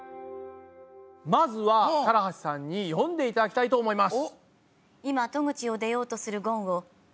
まずは唐橋さんに読んでいただきたいと思います。